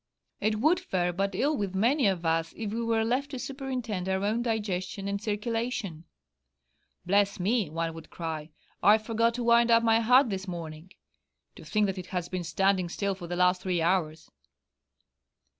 It would fare but ill with many of us if we were left to superintend our own digestion and circulation. 'Bless me!' one would cry, 'I forgot to wind up my heart this morning! To think that it has been standing still for the last three hours!'